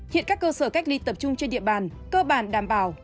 hiện các cơ sở cách ly tập trung trên địa bàn cơ bản đảm bảo